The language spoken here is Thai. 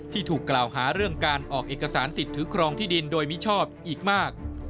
ถูกกล่าวหาเรื่องการออกเอกสารสิทธิ์ถือครองที่ดินโดยมิชอบอีกมาก